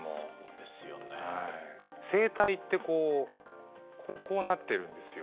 声帯ってこうなってるんですよ。